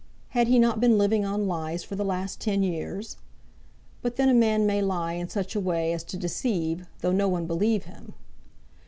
Had he not been living on lies for the last ten years? But then a man may lie in such a way as to deceive, though no one believe him.